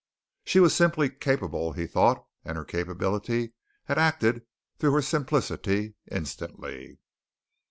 She was simply capable, he thought and her capability had acted through her simplicity instantly.